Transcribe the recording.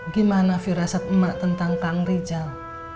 gimana firasat emak tentang kang rizal